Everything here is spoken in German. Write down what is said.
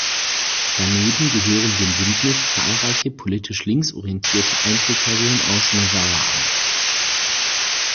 Daneben gehören dem Bündnis zahlreiche politisch linksorientierte Einzelpersonen aus Navarra an.